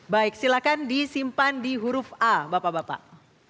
baik silakan disimpan di huruf a bapak bapak